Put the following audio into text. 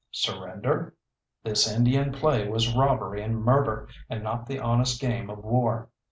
Surrender? This Indian play was robbery and murder, and not the honest game of war.